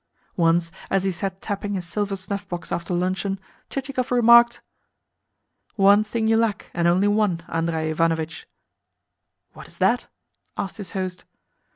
Once, as he sat tapping his silver snuff box after luncheon, Chichikov remarked: "One thing you lack, and only one, Andrei Ivanovitch." "What is that?" asked his host.